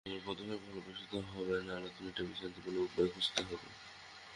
সামরিক পদক্ষেপ ফলপ্রসূ হবে না; আলোচনার টেবিলে শান্তিপূর্ণ উপায় খুঁজতে হবে।